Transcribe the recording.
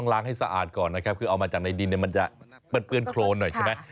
ล้างให้สะอาดก่อนนะครับคือเอามาจากในดินเนี่ยมันจะเปื้อนโครนหน่อยใช่ไหม